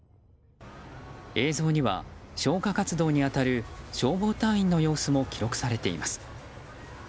映像には消火活動に当たる消防隊員の様子も記録されています。